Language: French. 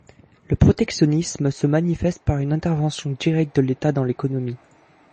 Le protectionnisme se manifeste par une intervention directe de l'état dans l'économie.